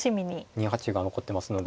２八歩が残ってますので。